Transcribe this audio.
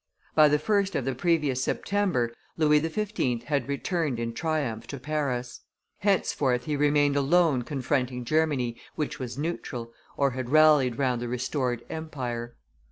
By the 1st of the previous September Louis XV. had returned in triumph to Paris. [Illustration: BRUSSELS 159] Henceforth he remained alone confronting Germany, which was neutral, or had rallied round the restored empire.